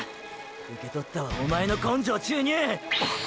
受けとったわおまえの“根性注入”！！